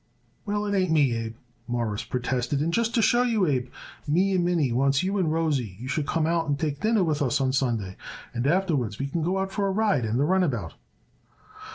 "Well, it ain't me, Abe," Morris protested, "and just to show you, Abe, me and Minnie wants you and Rosie you should come out and take dinner with us on Sunday, and afterwards we could go out for a ride in the runabout."